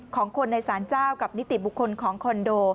ของคนในสารเจ้ากับนิติบุคคลของคอนโด